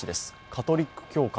カトリック教会。